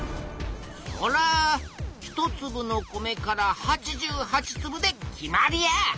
そら「１つぶの米から８８つぶ」で決まりや！